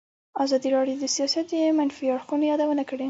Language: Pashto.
ازادي راډیو د سیاست د منفي اړخونو یادونه کړې.